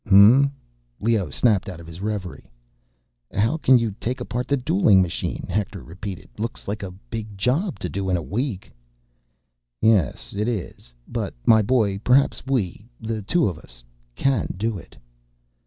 "Hm m m?" Leoh snapped out of his reverie. "How can you take apart the dueling machine?" Hector repeated. "Looks like a big job to do in a week." "Yes, it is. But, my boy, perhaps we ... the two of us ... can do it."